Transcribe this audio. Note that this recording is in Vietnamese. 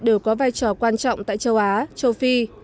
đều có vai trò quan trọng tại châu á châu phi